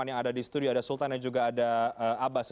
ada yang ada di studio ada sultana juga ada abbas